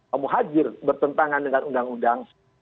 pak muhajir bertentangan dengan undang undang